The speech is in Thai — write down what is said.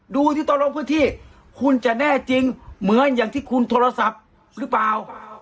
ดูที่ตอนลงพื้นที่คุณจะแน่จริงเหมือนอย่างที่คุณโทรศัพท์หรือเปล่า